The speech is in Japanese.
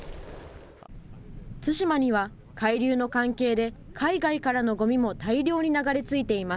対馬には、海流の関係で海外からのごみも大量に流れ着いています。